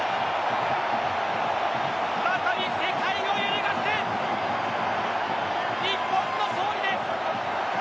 まさに世界を揺るがす日本の勝利です。